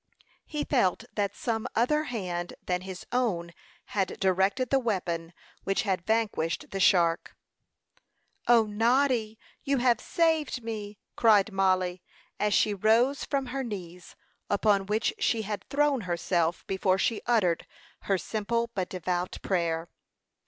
He felt that some other hand than his own had directed the weapon which had vanquished the shark. "O, Noddy, you have saved me," cried Mollie, as she rose from her knees, upon which she had thrown herself before she uttered her simple but devout prayer.